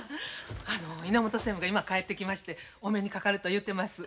あの稲本専務が今帰ってきましてお目にかかると言ってます。